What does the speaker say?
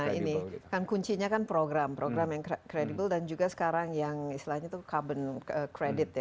nah ini kan kuncinya kan program program yang kredibel dan juga sekarang yang istilahnya itu carbon credit ya